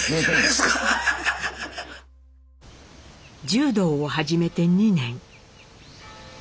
柔道を始めて２年。